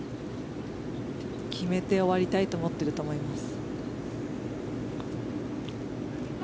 決めて終わりたいと思っていると思います。